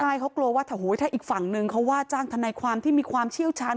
ใช่เขากลัวว่าถ้าอีกฝั่งนึงเขาว่าจ้างทนายความที่มีความเชี่ยวชาญ